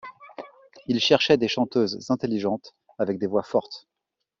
Ils cherchaient des chanteuses intelligentes avec des voix fortes.